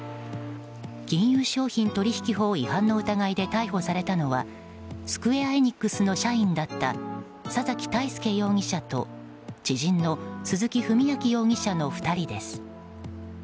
金融商品取引法違反の疑いで逮捕されたのはスクウェア・エニックスの社員だった佐崎泰介容疑者と知人の鈴木文章容疑者の２人です。